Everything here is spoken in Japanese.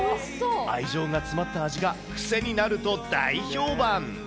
愛情が詰まった味が癖になると大評判。